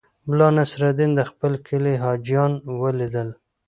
ملا نصرالدین د خپل کلي حاجیان ولیدل.